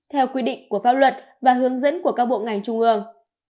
theo quy định của pháp luật và hướng dẫn của các bộ ngành trung ương